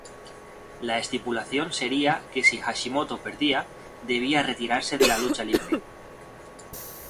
La estipulación sería que si Hashimoto perdía, debía retirarse de la lucha libre.